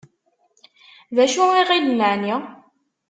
D acu i ɣilen εni?